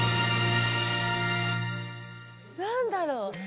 何だろう？